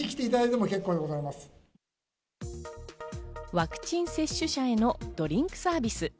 ワクチン接種者へのドリンクサービス。